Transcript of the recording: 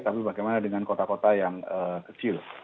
tapi bagaimana dengan kota kota yang kecil